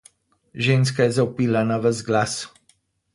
Ženska je zavpila na ves glas.